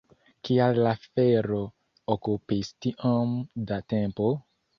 Kial la afero okupis tiom da tempo?